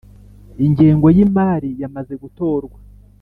ingengo y imari yamaze gutorwa